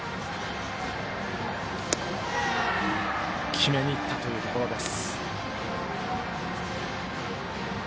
決めにいったというところです。